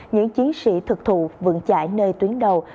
những chiến sĩ thực thụ vượn chạy nơi tuyến đầu